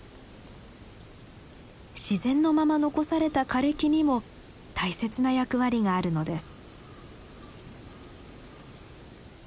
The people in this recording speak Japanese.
自然のまま残された枯れ木にも大切な役割があるのです。